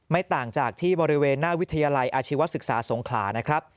ต่างจากที่บริเวณหน้าวิทยาลัยอาชีวศึกษาสงขลานะครับ